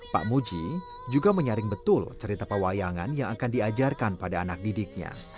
pak muji juga menyaring betul cerita pewayangan yang akan diajarkan pada anak didiknya